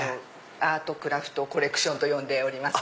アートクラフトコレクションと呼んでおります。